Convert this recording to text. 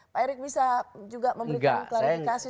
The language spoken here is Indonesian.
pak erik bisa juga memberikan klarifikasi soal ini